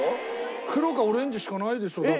黒かオレンジしかないでしょだって。